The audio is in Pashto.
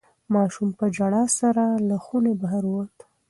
ماشوم په ژړا سره له خونې بهر ووت.